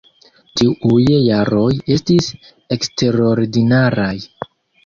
Tiuj jaroj estis eksterordinaraj.